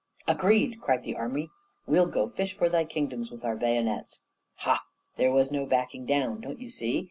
_' 'Agreed!' cried the army. 'We'll go fish for thy kingdoms with our bayonets.' Ha! there was no backing down, don't you see!